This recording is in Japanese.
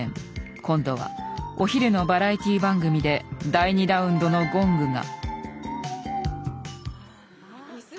今度はお昼のバラエティー番組で第２ラウンドのゴングが。